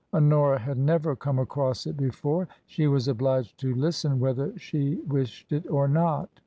Honora had never come across it before ; she was obliged to lis ten whether she wished it or not.